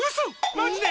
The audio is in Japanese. マジで？